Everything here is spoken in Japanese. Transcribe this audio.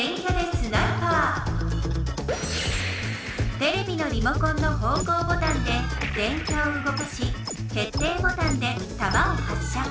テレビのリモコンの方向ボタンで電キャをうごかし決定ボタンでたまをはっしゃ。